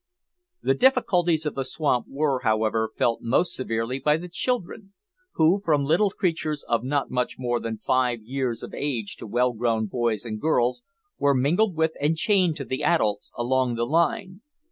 The difficulties of the swamp were, however, felt most severely by the children, who, from little creatures of not much more than five years of age to well grown boys and girls, were mingled with and chained to the adults along the line.